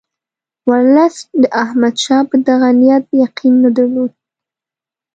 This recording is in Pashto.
ورلسټ د احمدشاه په دغه نیت یقین نه درلود.